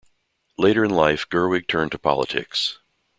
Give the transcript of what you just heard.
Later in life, Gerwig turned to politics.